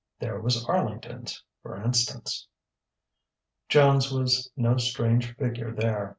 There was Arlington's, for instance. Joan's was no strange figure there.